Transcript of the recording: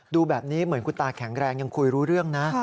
ดูแบบนี้เหมือนคุณตาแข็งแรงยังคุยรู้เรื่องนะ